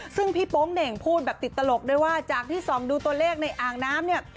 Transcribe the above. ซึ่งพี่โป๊งเหน่งพูดแบบติดตลกด้วยว่าจากที่ส่องดูตัวเลขในอ่างน้ำเนี่ย